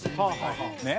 ねっ？